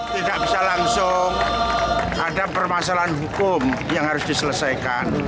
tidak bisa langsung ada permasalahan hukum yang harus diselesaikan